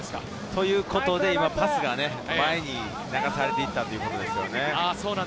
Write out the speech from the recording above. ということでパスが前に流されていったということですね。